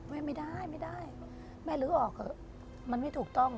ไม่ได้ไม่ได้แม่ลื้อออกเถอะมันไม่ถูกต้อง